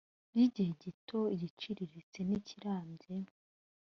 by igihe gito igiciriritse n ikirambye